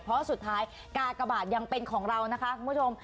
เพราะสุดท้ายกากบาทยังเป็นของเรานะคะคุณผู้ชม